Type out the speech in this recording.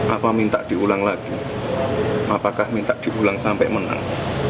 apa minta diulang lagi apakah minta diulang sampai menang